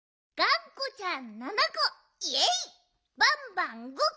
バンバン５こ。